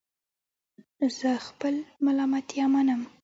زه خپل ملامتیا منم